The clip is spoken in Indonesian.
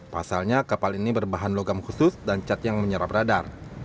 pasalnya kapal ini berbahan logam khusus dan cat yang menyerap radar